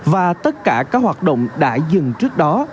và tất cả các hoạt động đã dừng trước đó